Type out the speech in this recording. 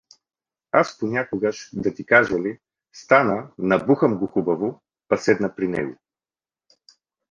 Аз понякогаж, да ти кажа ли, стана, набухам го хубаво, па седна при него.